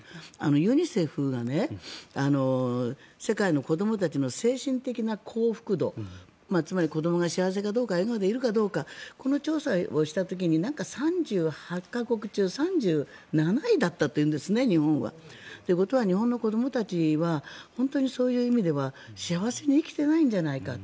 ユニセフが世界の子どもたちの精神的な幸福度つまり、子どもが幸せかどうか笑顔でいるかどうかこの調査をした時に日本は３８か国中３７位だったというんですね。ということは日本の子どもたちはそういう意味では幸せに生きてないんじゃないか。